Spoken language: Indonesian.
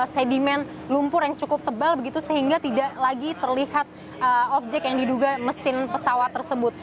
sedimen lumpur yang cukup tebal begitu sehingga tidak lagi terlihat objek yang diduga mesin pesawat tersebut